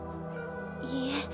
いいえ